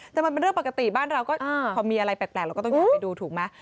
แต่มันเป็นเรื่องปกติบ้านเราก็พอมีอะไรแปลกเราก็ต้องอยากไปดูถูกไหม